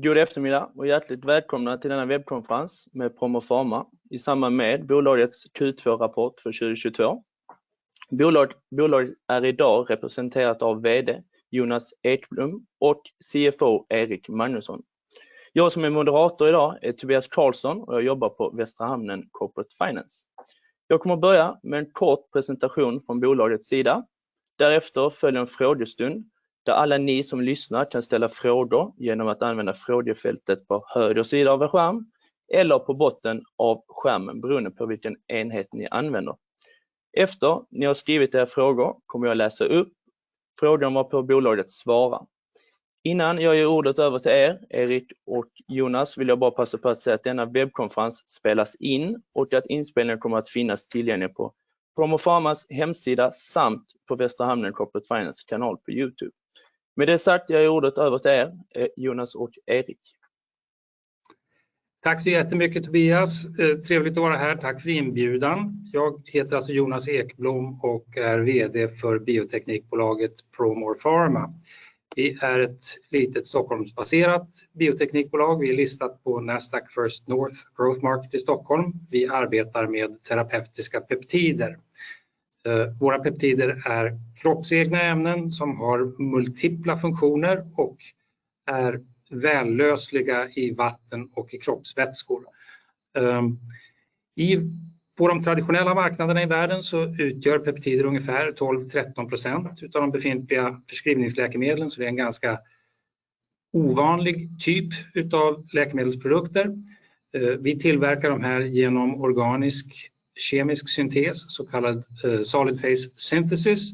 God eftermiddag och hjärtligt välkomna till denna webbkonferens med Promore Pharma i samband med bolagets Q2-rapport för 2022. Bolaget är i dag representerat av VD Jonas Ekblom och CFO Erik Magnusson. Jag som är moderator i dag är Tobias Karlsson och jag jobbar på Västra Hamnen Corporate Finance. Jag kommer att börja med en kort presentation från bolagets sida. Därefter följer en frågestund där alla ni som lyssnar kan ställa frågor genom att använda frågefältet på höger sida av er skärm eller på botten av skärmen, beroende på vilken enhet ni använder. Efter ni har skrivit era frågor kommer jag läsa upp frågan varpå bolaget svarar. Innan jag ger ordet över till er, Erik och Jonas, vill jag bara passa på att säga att denna webbkonferens spelas in och att inspelningen kommer att finnas tillgänglig på Promore Pharmas hemsida samt på Västra Hamnen Corporate Finance kanal på YouTube. Med det sagt, jag ger ordet över till er, Jonas och Erik. Tack så jättemycket, Tobias. Trevligt att vara här. Tack för inbjudan. Jag heter alltså Jonas Ekblom och är VD för bioteknikbolaget Promore Pharma. Vi är ett litet Stockholmsbaserat bioteknikbolag. Vi är listat på Nasdaq First North Growth Market i Stockholm. Vi arbetar med terapeutiska peptider. Våra peptider är kroppsegna ämnen som har multipla funktioner och är vällösliga i vatten och i kroppsvätskor. På de traditionella marknaderna i världen så utgör peptider ungefär 12-13% utav de befintliga förskrivningsläkemedlen. Så det är en ganska ovanlig typ utav läkemedelsprodukter. Vi tillverkar de här genom organisk kemisk syntes, så kallad solid-phase synthesis.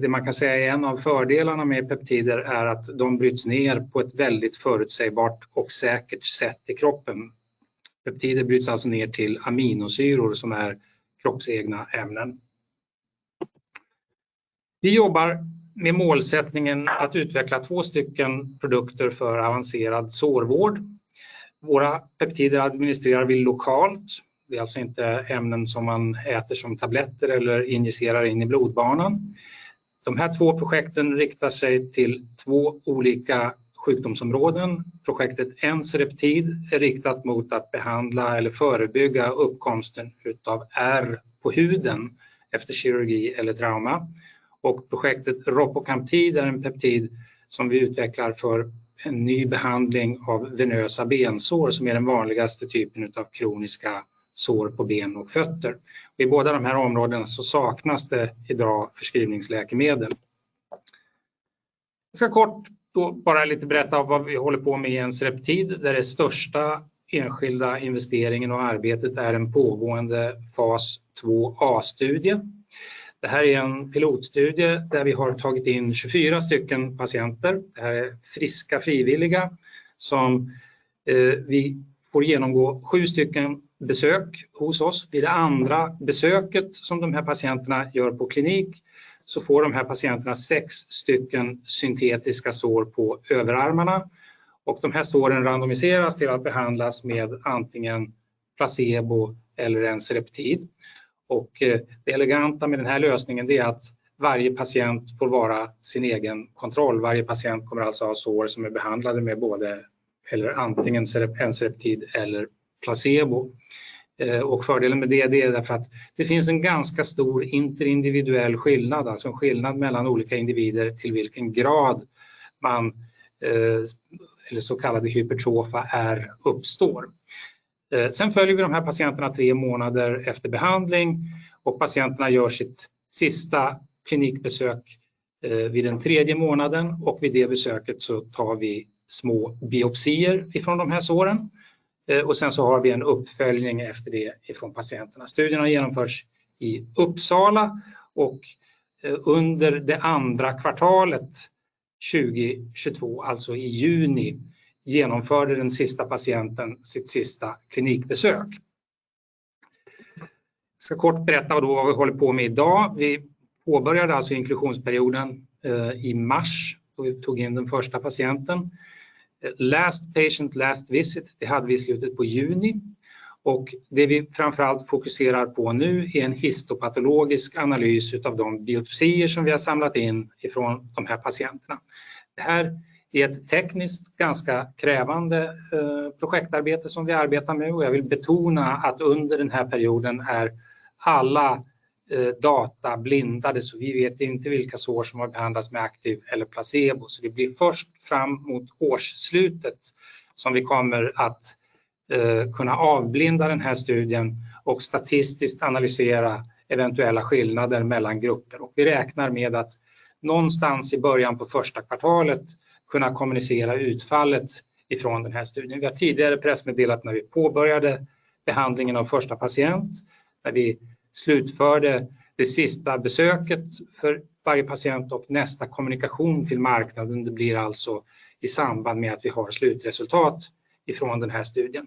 Det man kan säga är en av fördelarna med peptider är att de bryts ner på ett väldigt förutsägbart och säkert sätt i kroppen. Peptider bryts alltså ner till aminosyror som är kroppsegna ämnen. Vi jobbar med målsättningen att utveckla 2 stycken produkter för avancerad sårvård. Våra peptider administrerar vi lokalt. Det är alltså inte ämnen som man äter som tabletter eller injicerar in i blodbanan. De här 2 projekten riktar sig till 2 olika sjukdomsområden. Projektet ensereptide är riktat mot att behandla eller förebygga uppkomsten utav ärr på huden efter kirurgi eller trauma. Projektet ropocamptide är en peptid som vi utvecklar för en ny behandling av venösa bensår, som är den vanligaste typen utav kroniska sår på ben och fötter. I båda de här områden så saknas det i dag förskrivningsläkemedel. Jag ska kort då bara lite berätta om vad vi håller på med i ensereptide, där den största enskilda investeringen och arbetet är en pågående fas IIa-studie. Det här är en pilotstudie där vi har tagit in 24 stycken patienter. Det här är friska frivilliga som vi får genomgå 7 stycken besök hos oss. Vid det andra besöket som de här patienterna gör på klinik så får de här patienterna 6 stycken syntetiska sår på överarmarna och de här såren randomiseras till att behandlas med antingen placebo eller ensereptide. Det eleganta med den här lösningen, det är att varje patient får vara sin egen kontroll. Varje patient kommer alltså ha sår som är behandlade med både eller antingen ensereptide eller placebo. Fördelen med det är därför att det finns en ganska stor interindividuell skillnad, alltså en skillnad mellan olika individer till vilken grad man eller så kallade hypertrofiska ärr uppstår. Sen följer vi de här patienterna tre månader efter behandling och patienterna gör sitt sista klinikbesök vid den tredje månaden och vid det besöket så tar vi små biopsier från de här såren. Och sen så har vi en uppföljning efter det från patienterna. Studierna genomförs i Uppsala och under det andra kvartalet 2022, alltså i juni, genomförde den sista patienten sitt sista klinikbesök. Ska kort berätta då vad vi håller på med i dag. Vi påbörjade alltså inklusionsperioden i mars då vi tog in den första patienten. Last patient, last visit, det hade vi i slutet av juni och det vi framför allt fokuserar på nu är en histopatologisk analys av de biopsier som vi har samlat in från de här patienterna. Det här är ett tekniskt ganska krävande projektarbete som vi arbetar med och jag vill betona att under den här perioden är alla data blindade. Vi vet inte vilka sår som har behandlats med aktiv eller placebo. Det blir först fram mot årsslutet som vi kommer att kunna avblinda den här studien och statistiskt analysera eventuella skillnader mellan grupper. Vi räknar med att någonstans i början på första kvartalet kunna kommunicera utfallet ifrån den här studien. Vi har tidigare pressmeddelat när vi påbörjade behandlingen av första patient, när vi slutförde det sista besöket för varje patient och nästa kommunikation till marknaden, det blir alltså i samband med att vi har slutresultat ifrån den här studien.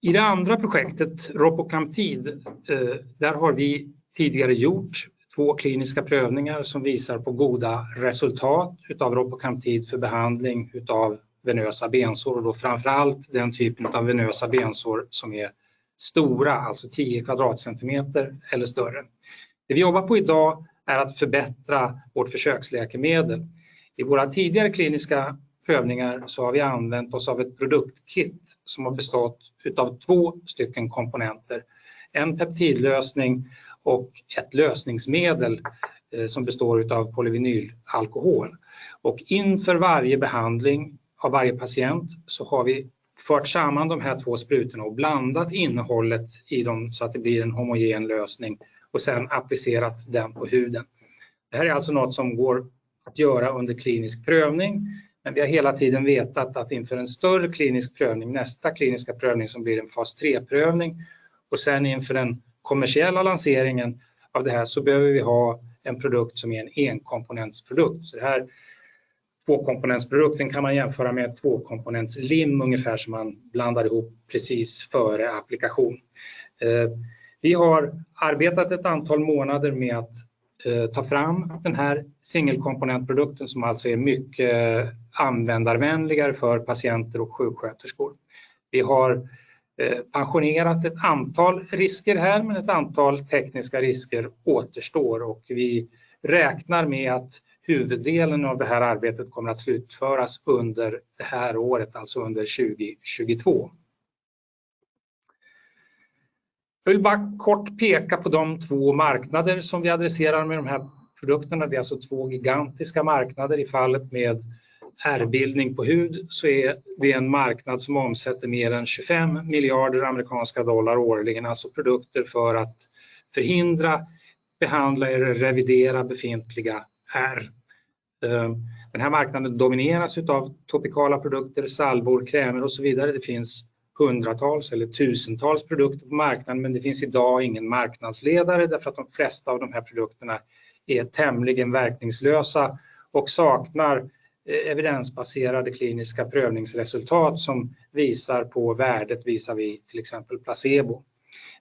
I det andra projektet, ropocamptide, där har vi tidigare gjort 2 kliniska prövningar som visar på goda resultat av ropocamptide för behandling av venösa bensår och då framför allt den typen av venösa bensår som är resistenta. Stora, alltså 10 kvadratcentimeter eller större. Det vi jobbar på i dag är att förbättra vårt försöksläkemedel. I våra tidigare kliniska prövningar så har vi använt oss av ett produktkit som har bestått av 2 stycken komponenter, en peptidlösning och ett lösningsmedel som består av polyvinylalkohol. Inför varje behandling av varje patient så har vi fört samman de här 2 sprutorna och blandat innehållet i dem så att det blir en homogen lösning och sedan applicerat den på huden. Det här är alltså något som går att göra under klinisk prövning, men vi har hela tiden vetat att inför en större klinisk prövning, nästa kliniska prövning som blir en fas III-prövning och sedan inför den kommersiella lanseringen av det här så behöver vi ha en produkt som är en enkomponentsprodukt. Det här tvåkomponentsprodukten kan man jämföra med ett tvåkomponentslim ungefär som man blandar ihop precis före applikation. Vi har arbetat ett antal månader med att ta fram den här enkomponentprodukten som alltså är mycket användarvänligare för patienter och sjuksköterskor. Vi har pensionerat ett antal risker här, men ett antal tekniska risker återstår och vi räknar med att huvuddelen av det här arbetet kommer att slutföras under det här året, alltså under 2022. Jag vill bara kort peka på de två marknader som vi adresserar med de här produkterna. Det är alltså två gigantiska marknader. I fallet med ärrbildning på hud så är det en marknad som omsätter mer än $25 miljarder amerikanska dollar årligen, alltså produkter för att förhindra, behandla eller revidera befintliga ärr. Den här marknaden domineras utav topikala produkter, salvor, krämer och så vidare. Det finns hundratals eller tusentals produkter på marknaden, men det finns i dag ingen marknadsledare därför att de flesta av de här produkterna är tämligen verkningslösa och saknar evidensbaserade kliniska prövningsresultat som visar på värdet visavi till exempel placebo.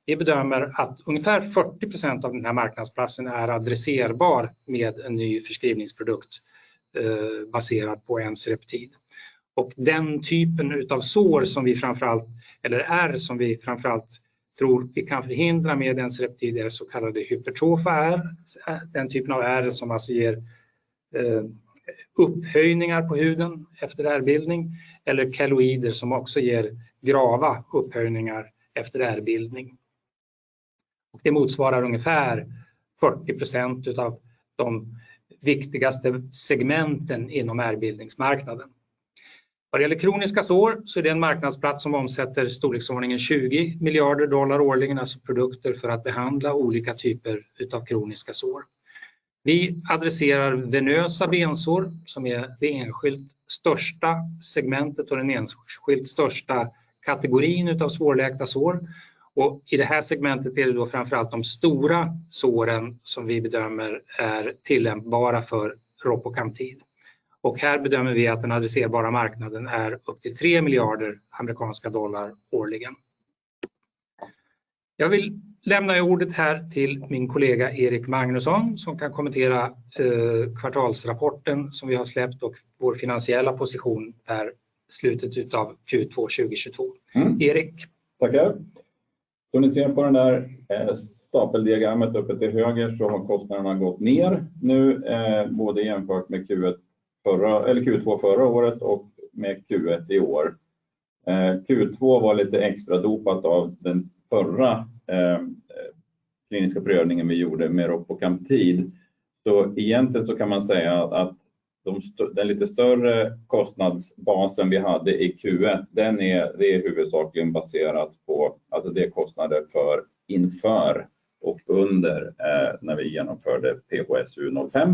Vi bedömer att ungefär 40% av den här marknadsplatsen är adresserbar med en ny förskrivningsprodukt, baserat på ensereptide. Den typen utav sår som vi framför allt eller ärr som vi framför allt tror vi kan förhindra med ensereptide är så kallade hypertrofiska ärr. Den typen av ärr som alltså ger upphöjningar på huden efter ärrbildning eller keloider som också ger grava upphöjningar efter ärrbildning. Det motsvarar ungefär 40% av de viktigaste segmenten inom ärrbildningsmarknaden. Vad det gäller kroniska sår så är det en marknadsplats som omsätter storleksordningen $20 billion årligen, alltså produkter för att behandla olika typer av kroniska sår. Vi adresserar venösa bensår som är det enskilt största segmentet och den enskilt största kategorin av svårläkta sår. I det här segmentet är det då framför allt de stora såren som vi bedömer är tillämpbara för ropocamptide. Här bedömer vi att den adresserbara marknaden är upp till $3 billion årligen. Jag vill lämna ordet här till min kollega Erik Magnusson som kan kommentera kvartalsrapporten som vi har släppt och vår finansiella position i slutet av Q2 2022. Erik? Tackar. Som ni ser på den där stapeldiagrammet uppe till höger så har kostnaderna gått ner nu, både jämfört med Q1 förra, eller Q2 förra året och med Q1 i år. Q2 var lite extra dopat av den förra kliniska prövningen vi gjorde med ropocamptide. Så egentligen så kan man säga att Den lite större kostnadsbasen vi hade i Q1, den är, det är huvudsakligen baserat på, alltså det är kostnader för inför och under när vi genomförde PHSU05.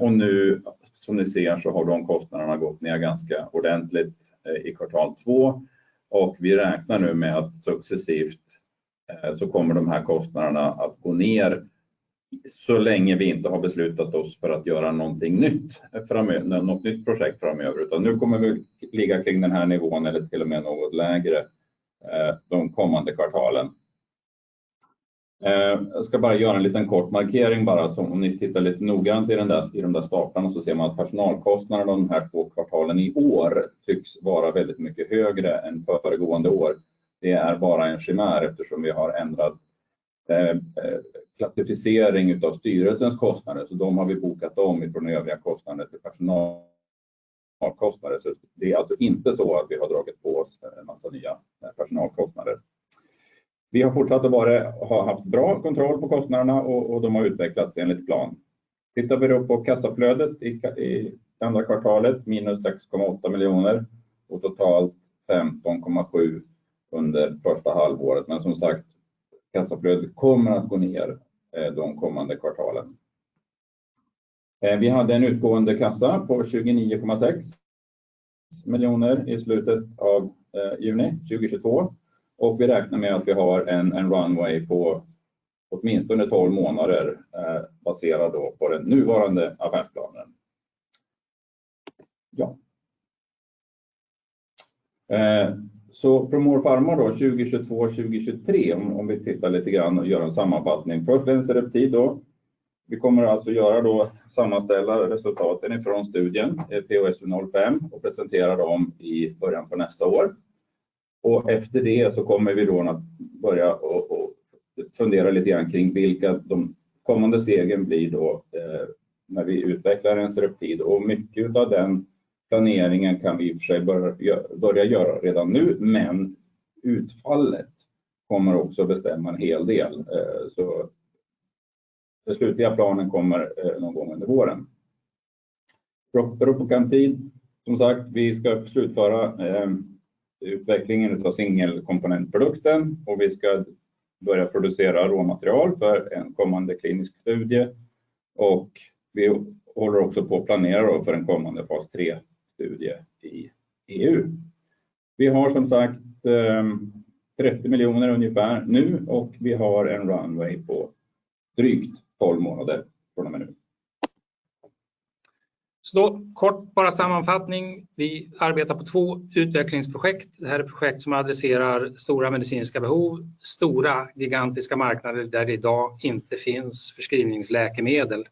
Och nu som ni ser så har de kostnaderna gått ner ganska ordentligt i kvartal två och vi räknar nu med att successivt så kommer de här kostnaderna att gå ner så länge vi inte har beslutat oss för att göra någonting nytt framöver, något nytt projekt framöver. Nu kommer vi ligga kring den här nivån eller till och med något lägre, de kommande kvartalen. Jag ska bara göra en liten kort markering bara. Om ni tittar lite noggrant i den där, i de där staplarna så ser man att personalkostnaden de här två kvartalen i år tycks vara väldigt mycket högre än föregående år. Det är bara en chimär eftersom vi har ändrat klassificering utav styrelsens kostnader. De har vi bokat om ifrån övriga kostnader till personalkostnader. Det är alltså inte så att vi har dragit på oss en massa nya personalkostnader. Vi har fortsatt att bara ha haft bra kontroll på kostnaderna och de har utvecklats enligt plan. Tittar vi då på kassaflödet i andra kvartalet, minus SEK 6.8 miljoner och totalt SEK 15.7 under första halvåret. Som sagt, kassaflödet kommer att gå ner de kommande kvartalen. Vi hade en utgående kassa på SEK 29.6 miljoner i slutet av juni 2022 och vi räknar med att vi har en runway på åtminstone 12 månader baserat på den nuvarande affärsplanen. Promore Pharma 2022 och 2023. Om vi tittar lite grann och gör en sammanfattning. Först ensereptide. Vi kommer alltså sammanställa resultaten ifrån studien PHS05 och presentera dem i början på nästa år. Efter det kommer vi att börja fundera lite grann kring vilka de kommande stegen blir när vi utvecklar ensereptide. Mycket av den planeringen kan vi i och för sig börja göra redan nu, men utfallet kommer också bestämma en hel del. Den slutgiltiga planen kommer någon gång under våren. Ropocamptide, som sagt, vi ska slutföra utvecklingen av enkomponentsprodukten och vi ska börja producera råmaterial för en kommande klinisk studie. Vi håller också på att planera för en kommande fas III-prövning i EU. Vi har som sagt SEK 30 million ungefär nu och vi har en runway på drygt 12 månader från och med nu. Då kort bara sammanfattning. Vi arbetar på två utvecklingsprojekt. Det här är projekt som adresserar stora medicinska behov, stora gigantiska marknader där det i dag inte finns förskrivningsläkemedel.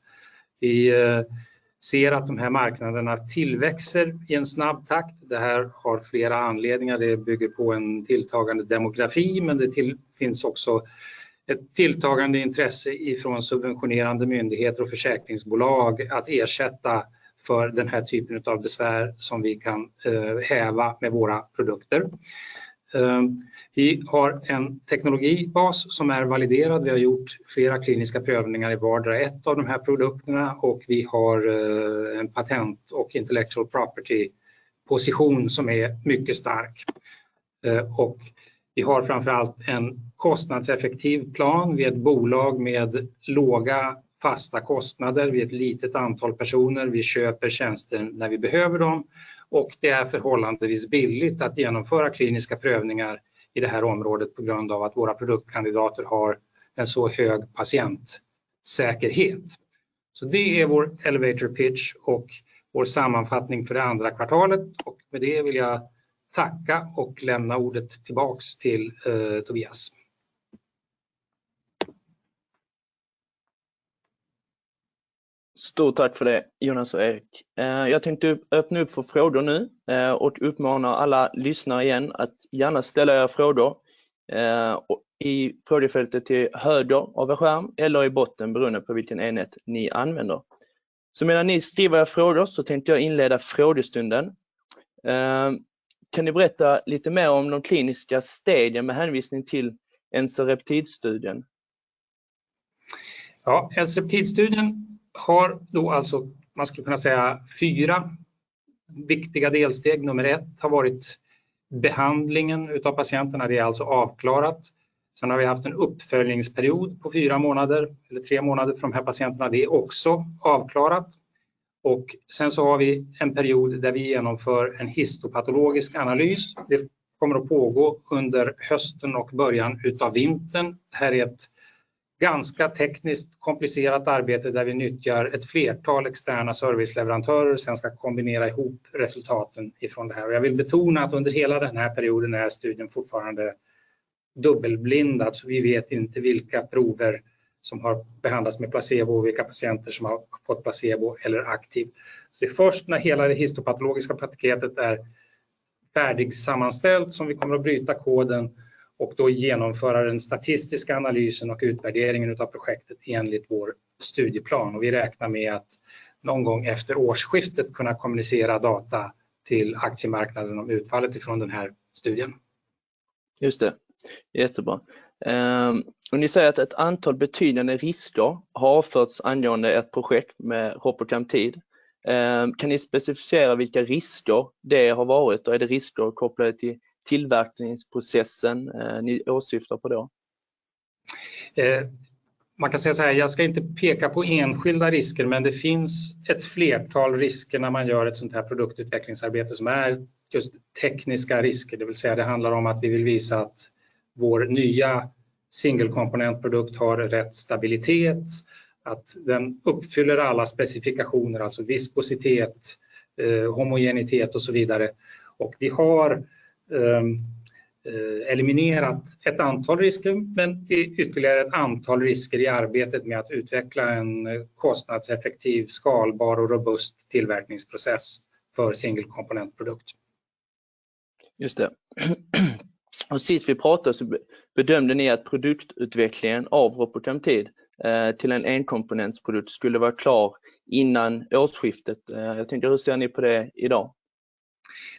Vi ser att de här marknaderna tillväxer i en snabb takt. Det här har flera anledningar. Det bygger på en tilltagande demografi, men finns också ett tilltagande intresse ifrån subventionerande myndigheter och försäkringsbolag att ersätta för den här typen utav besvär som vi kan häva med våra produkter. Vi har en teknologibas som är validerad. Vi har gjort flera kliniska prövningar i vardera ett av de här produkterna och vi har en patent och intellectual property position som är mycket stark. Och vi har framför allt en kostnadseffektiv plan. Vi är ett bolag med låga fasta kostnader. Vi är ett litet antal personer. Vi köper tjänster när vi behöver dem och det är förhållandevis billigt att genomföra kliniska prövningar i det här området på grund av att våra produktkandidater har en så hög patientsäkerhet. Det är vår elevator pitch och vår sammanfattning för det andra kvartalet. Med det vill jag tacka och lämna ordet tillbaka till Tobias. Stort tack för det, Jonas och Erik. Jag tänkte öppna upp för frågor nu och uppmana alla lyssnare igen att gärna ställa era frågor i frågefältet till höger av er skärm eller i botten beroende på vilken enhet ni använder. Medan ni skriver era frågor så tänkte jag inleda frågestunden. Kan ni berätta lite mer om de kliniska stadierna med hänvisning till ensereptidstudien? Ja, Ensereptidstudien har då alltså, man skulle kunna säga 4 viktiga delsteg. Nummer 1 har varit behandlingen av patienterna. Det är alltså avklarat. Vi har haft en uppföljningsperiod på 4 månader eller 3 månader för de här patienterna. Det är också avklarat. Vi har en period där vi genomför en histopatologisk analys. Det kommer att pågå under hösten och början av vintern. Det här är ett ganska tekniskt komplicerat arbete där vi nyttjar ett flertal externa serviceleverantörer och sen ska kombinera ihop resultaten från det här. Jag vill betona att under hela den här perioden är studien fortfarande dubbelblindad. Vi vet inte vilka prover som har behandlats med placebo och vilka patienter som har fått placebo eller aktiv. Det är först när hela det histopatologiska paketet är färdigsammanställt som vi kommer att bryta koden och då genomföra den statistiska analysen och utvärderingen utav projektet enligt vår studieplan. Vi räknar med att någon gång efter årsskiftet kunna kommunicera data till aktiemarknaden om utfallet ifrån den här studien. Just det. Jättebra. Och ni säger att ett antal betydande risker har avförts angående ert projekt med ropocamptide. Kan ni specificera vilka risker det har varit? Och är det risker kopplade till tillverkningsprocessen ni åsyftar på då? Man kan säga såhär, jag ska inte peka på enskilda risker, men det finns ett flertal risker när man gör ett sånt här produktutvecklingsarbete som är just tekniska risker. Det vill säga, det handlar om att vi vill visa att vår nya enkomponentsprodukt har rätt stabilitet, att den uppfyller alla specifikationer, alltså viskositet, homogenitet och så vidare. Vi har eliminerat ett antal risker, men det är ytterligare ett antal risker i arbetet med att utveckla en kostnadseffektiv, skalbar och robust tillverkningsprocess för enkomponentsprodukten. Just det. Sist vi pratade så bedömde ni att produktutvecklingen av ropocamptide till en enkomponentsprodukt skulle vara klar innan årsskiftet. Jag tänkte, hur ser ni på det i dag?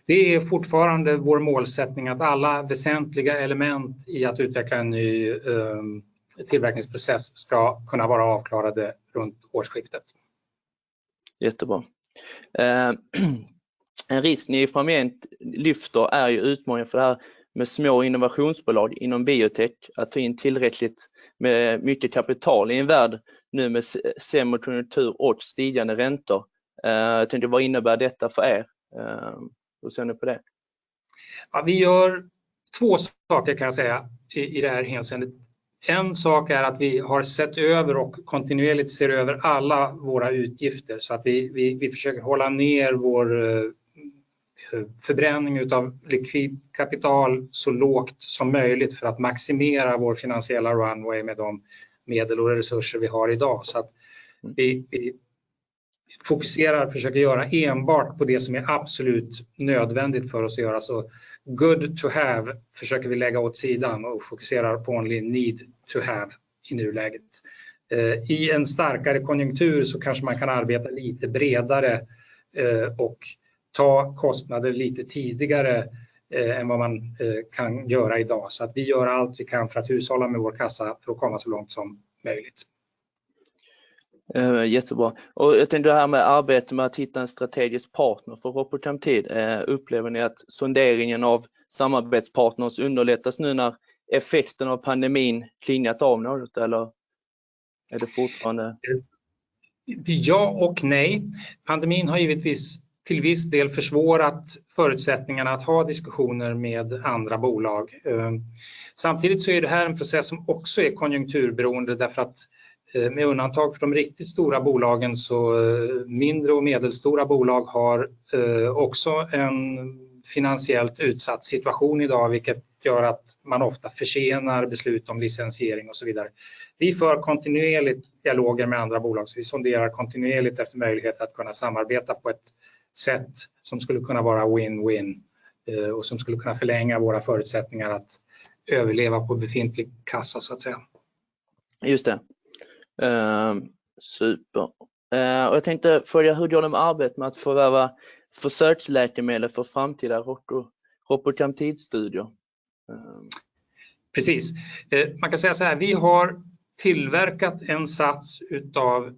Det är fortfarande vår målsättning att alla väsentliga element i att utveckla en ny tillverkningsprocess ska kunna vara avklarade runt årsskiftet. Jättebra. En risk ni framgent lyfter är ju utmaningen för det här med små innovationsbolag inom biotech att ta in tillräckligt med mycket kapital i en värld nu med sämre konjunktur och stigande räntor. Jag tänkte, vad innebär detta för er? Hur ser ni på det? Ja, vi gör två saker kan jag säga i det här hänseendet. En sak är att vi har sett över och kontinuerligt ser över alla våra utgifter så att vi försöker hålla ner vår förbränning av likvid kapital så lågt som möjligt för att maximera vår finansiella runway med de medel och resurser vi har idag. Vi fokuserar, försöker göra enbart på det som är absolut nödvändigt för oss att göra. Good to have försöker vi lägga åt sidan och fokuserar på only need to have i nuläget. I en starkare konjunktur så kanske man kan arbeta lite bredare, och ta kostnader lite tidigare, än vad man kan göra i dag. Vi gör allt vi kan för att hushålla med vår kassa för att komma så långt som möjligt. Jättebra. Jag tänkte det här med arbetet med att hitta en strategisk partner för ropocamptide. Upplever ni att sonderingen av samarbetspartners underlättas nu när effekten av pandemin klingat av något? Eller är det fortfarande. Ja och nej. Pandemin har givetvis till viss del försvårat förutsättningarna att ha diskussioner med andra bolag. Samtidigt så är det här en process som också är konjunkturberoende. Därför att, med undantag för de riktigt stora bolagen så mindre och medelstora bolag har, också en finansiellt utsatt situation i dag, vilket gör att man ofta försenar beslut om licensiering och så vidare. Vi för kontinuerligt dialoger med andra bolag. Vi sonderar kontinuerligt efter möjlighet att kunna samarbeta på ett sätt som skulle kunna vara win win, och som skulle kunna förlänga våra förutsättningar att överleva på befintlig kassa så att säga. Just det. Super. Jag tänkte följa hur det håller med arbetet med att förvärva försöksläkemedel för framtida ropocamptide-studier. Precis. Man kan säga så här, vi har tillverkat en sats utav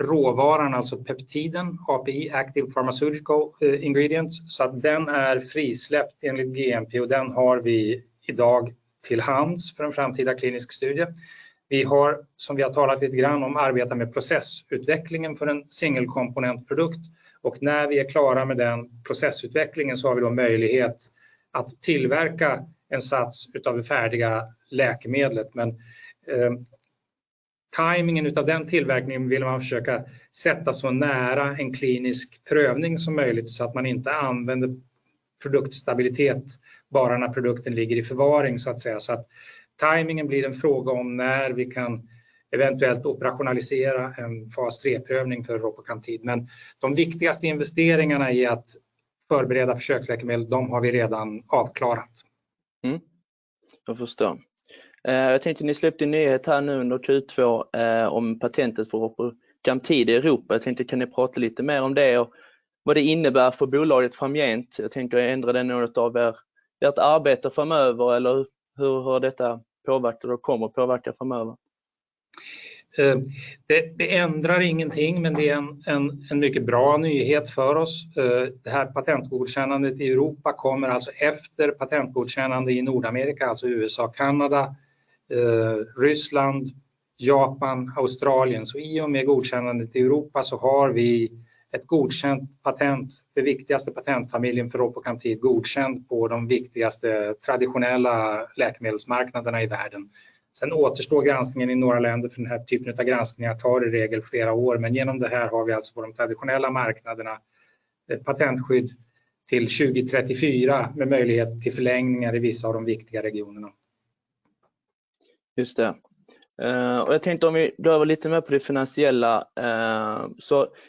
råvaran, alltså peptiden, API, Active Pharmaceutical Ingredients, så att den är frisläppt enligt GMP och den har vi i dag till hands för en framtida klinisk studie. Vi har, som vi har talat lite grann om, arbetat med processutvecklingen för en enkomponentsprodukt och när vi är klara med den processutvecklingen så har vi då möjlighet att tillverka en sats utav det färdiga läkemedlet. Tajmingen utav den tillverkningen vill man försöka sätta så nära en klinisk prövning som möjligt så att man inte använder produktstabilitet bara när produkten ligger i förvaring så att säga. Tajmingen blir en fråga om när vi kan eventuellt operationalisera en fas III-prövning för ropocamptide. De viktigaste investeringarna i att förbereda försöksläkemedel, de har vi redan avklarat. Jag förstår. Jag tänkte ni släppte en nyhet här nu under Q2 om patentet för ropocamptide i Europa. Jag tänkte kan ni prata lite mer om det och vad det innebär för bolaget framgående. Jag tänker ändrar det något av er, ert arbete framöver eller hur detta påverkar och kommer påverka framöver? Det ändrar ingenting, men det är en mycket bra nyhet för oss. Det här patentgodkännandet i Europa kommer alltså efter patentgodkännande i Nordamerika, alltså USA, Kanada, Ryssland, Japan, Australien. I och med godkännandet i Europa så har vi ett godkänt patent, den viktigaste patentfamiljen för ropocamptide godkänd på de viktigaste traditionella läkemedelsmarknaderna i världen. Återstår granskningen i några länder för den här typen av granskningar tar i regel flera år, men genom det här har vi alltså på de traditionella marknaderna ett patentskydd till 2034 med möjlighet till förlängningar i vissa av de viktiga regionerna. Just det. Jag tänkte om vi drar väl lite mer på det finansiella.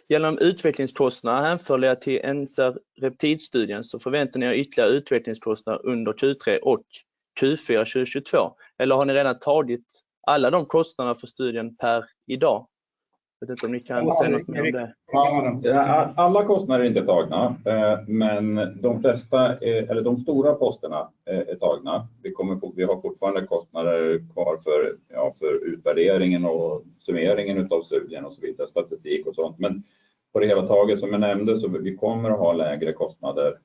Gällande utvecklingskostnader hänförliga till ensereptide-studien förväntar ni er ytterligare utvecklingskostnader under Q3 och Q4 2022. Eller har ni redan tagit alla de kostnaderna för studien per i dag? Jag vet inte om ni kan säga något mer om det. Ja, alla kostnader är inte tagna, men de flesta, eller de stora posterna är tagna. Vi har fortfarande kostnader kvar för, ja, för utvärderingen och summeringen utav studien och så vidare, statistik och sånt. På det hela taget, som jag nämnde, så vi kommer att ha lägre kostnader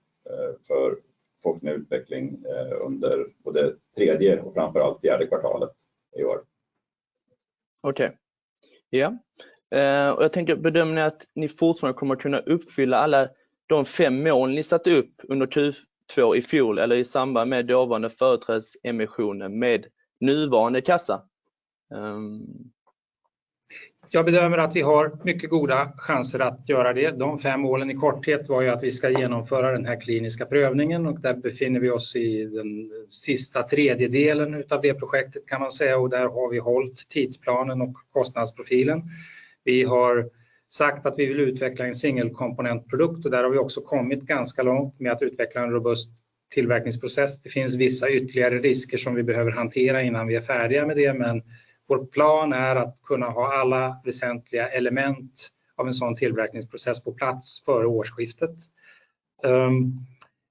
för forskning och utveckling under både tredje och framför allt fjärde kvartalet i år. Jag tänker bedömer ni att ni fortfarande kommer att kunna uppfylla alla de 5 mål ni satte upp under Q2 i fjol eller i samband med dåvarande företrädesemissionen med nuvarande kassa? Jag bedömer att vi har mycket goda chanser att göra det. De fem målen i korthet var ju att vi ska genomföra den här kliniska prövningen och där befinner vi oss i den sista tredjedelen utav det projektet kan man säga. Där har vi hållit tidsplanen och kostnadsprofilen. Vi har sagt att vi vill utveckla en enkomponentsprodukt och där har vi också kommit ganska långt med att utveckla en robust tillverkningsprocess. Det finns vissa ytterligare risker som vi behöver hantera innan vi är färdiga med det, men vår plan är att kunna ha alla väsentliga element av en sådan tillverkningsprocess på plats före årsskiftet.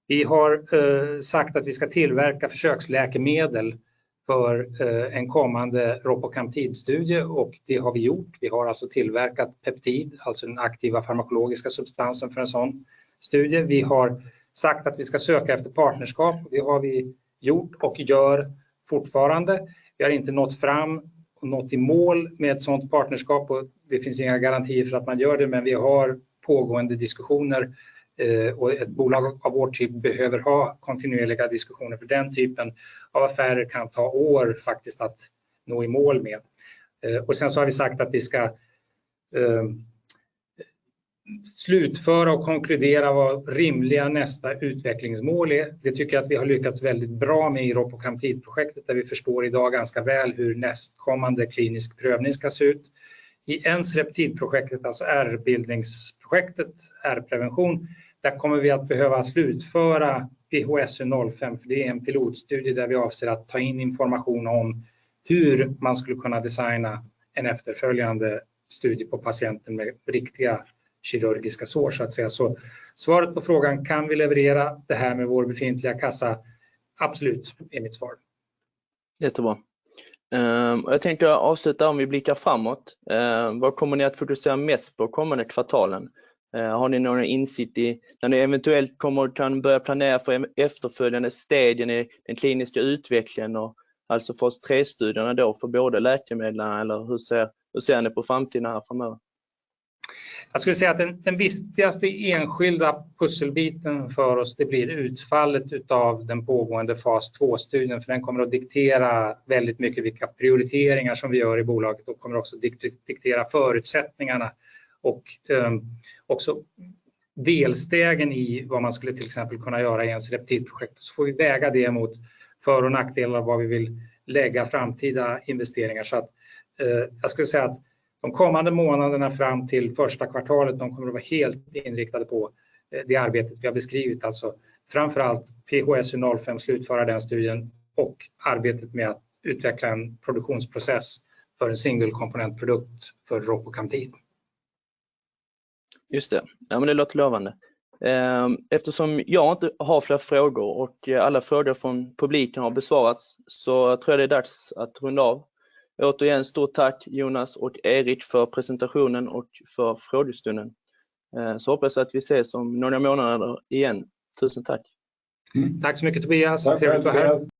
Vi har sagt att vi ska tillverka försöksläkemedel för en kommande ropocamptide-studie och det har vi gjort. Vi har alltså tillverkat peptid, alltså den aktiva farmakologiska substansen för en sådan studie. Vi har sagt att vi ska söka efter partnerskap. Det har vi gjort och gör fortfarande. Vi har inte nått fram och nått i mål med ett sådant partnerskap och det finns inga garantier för att man gör det. Vi har pågående diskussioner, och ett bolag av vårt typ behöver ha kontinuerliga diskussioner för den typen av affärer kan ta år faktiskt att nå i mål med. Och sen så har vi sagt att vi ska slutföra och konkludera vad rimliga nästa utvecklingsmål är. Det tycker jag att vi har lyckats väldigt bra med i ropocamptide-projektet där vi förstår i dag ganska väl hur nästkommande klinisk prövning ska se ut. I ensereptide-projektet, alltså ärrbildningsprojektet, ärr-prevention, där kommer vi att behöva slutföra PHSU-05 för det är en pilotstudie där vi avser att ta in information om hur man skulle kunna designa en efterföljande studie på patienten med riktiga kirurgiska sår så att säga. Svaret på frågan, kan vi leverera det här med vår befintliga kassa? Absolut är mitt svar. Jättebra. Jag tänkte avsluta om vi blickar framåt. Vad kommer ni att fokusera mest på kommande kvartalen? Har ni några insikter i när ni eventuellt kommer och kan börja planera för efterföljande stadier i den kliniska utvecklingen och alltså fas tre studierna då för både läkemedlen? Eller hur ser ni på framtiden här framöver? Jag skulle säga att den viktigaste enskilda pusselbiten för oss, det blir utfallet av den pågående fas 2-studien, för den kommer att diktera väldigt mycket vilka prioriteringar som vi gör i bolaget och kommer också diktera förutsättningarna och också delstegen i vad man skulle till exempel kunna göra i en Receptiv-projekt. Får vi väga det mot för- och nackdelen av var vi vill lägga framtida investeringar. Så att jag skulle säga att de kommande månaderna fram till första kvartalet, de kommer att vara helt inriktade på det arbetet vi har beskrivit. Alltså, framför allt PHSU05 slutföra den studien och arbetet med att utveckla en produktionsprocess för en single component produkt för ropocamptide. Just det. Ja, men det låter lovande. Eftersom jag inte har fler frågor och alla frågor från publiken har besvarats så tror jag det är dags att runda av. Återigen, stort tack Jonas och Erik för presentationen och för frågestunden. Så hoppas jag att vi ses om några månader igen. Tusen tack. Tack så mycket Tobias. Trevlig helg. Tack, tack Tobias